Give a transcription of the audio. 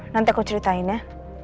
nanti aku ceritain ya